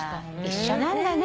一緒なんだね